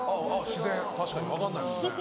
自然確かに分かんないもんね。